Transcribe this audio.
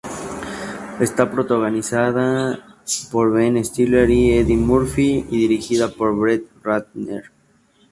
Está protagonizada por Ben Stiller y Eddie Murphy y dirigida por Brett Ratner.